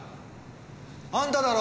あんただろ？